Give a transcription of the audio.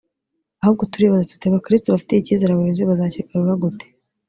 Ahubwo turibaza tuti abakirisitu bafitiye icyizere abayobozi bazakigarura gute